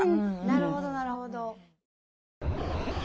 なるほどなるほど。